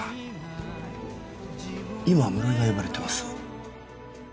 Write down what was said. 今室井が呼ばれてます。